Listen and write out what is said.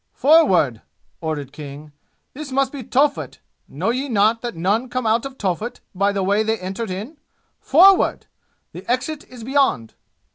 "Forward!" ordered King. "This must be Tophet. Know ye not that none come out of Tophet by the way they entered in? Forward! The exit is beyond!"